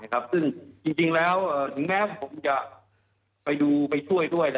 ซึ่งจริงแล้วถึงแม้ผมจะไปดูไปช่วยด้วย